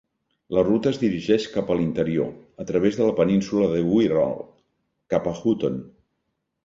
La ruta es dirigeix cap a l'interior, a través de la península de Wirral, cap a Hooton.